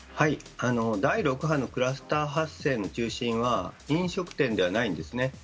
第６波のクラスター発生の中心は飲食店ではないんです。